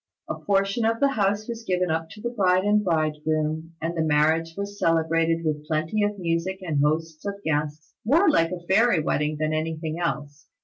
A portion of the house was given up to the bride and bridegroom, and the marriage was celebrated with plenty of music and hosts of guests, more like a fairy wedding than anything else.